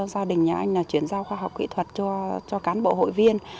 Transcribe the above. gia đình nhà anh là chuyển giao khoa học kỹ thuật cho cán bộ hội viên